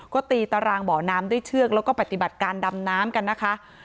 ก็ตีตารางบ่อน้ำด้วยเชือกแล้วก็ปฏิบัติการดำน้ำกันนะคะ